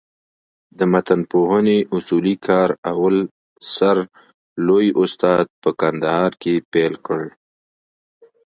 د متنپوهني اصولي کار اول سر لوى استاد په کندهار کښي پېل کړ.